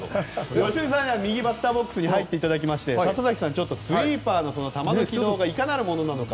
良純さんに右バッターボックスに入っていただいて里崎さん、スイーパーがいかなるものなのか。